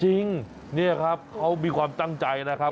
จริงนี่ครับเขามีความตั้งใจนะครับ